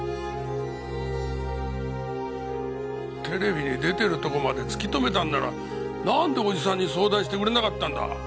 テレビに出てるとこまで突き止めたんならなんでおじさんに相談してくれなかったんだ？